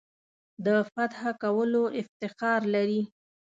د فتح کولو افتخار لري.